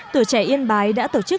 tử trẻ yên bái đã tổ chức